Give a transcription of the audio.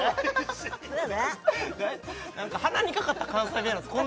そやな鼻にかかった関西弁なんですか